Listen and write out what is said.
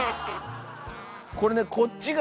これねこっちが。